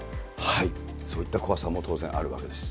そういった怖さも当然、あるわけです。